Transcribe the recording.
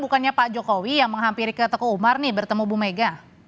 bukannya pak jokowi yang menghampiri ke teguh umar nih bertemu bu mega